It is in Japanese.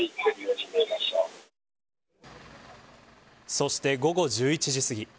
そして午後１１時すぎ。